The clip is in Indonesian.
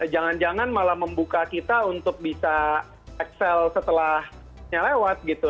jangan jangan malah membuka kita untuk bisa excel setelahnya lewat gitu